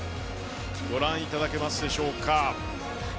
ご覧いただけますでしょうか。